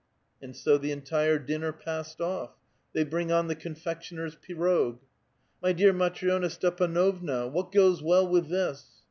And so the entire dinner passed off. They bring on the confectioner's pirog, *' My dear Matri6na Stepan6vna, what goes well with this?"